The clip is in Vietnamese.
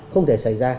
không thể xảy ra